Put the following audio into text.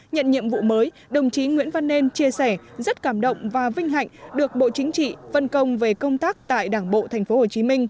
nhận nhiệm vụ mới đồng chí nguyễn văn nên chia sẻ rất cảm động và vinh hạnh được bộ chính trị vân công về công tác tại đảng bộ tp hcm